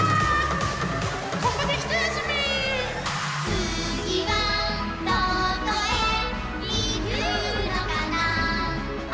「つぎはどこへいくのかなほら」